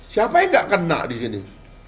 siapa yang tidak kena di sini